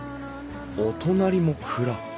お隣も蔵。